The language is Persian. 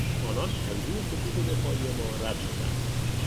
آنان از روی خطوط دفاعی ما رد شدند.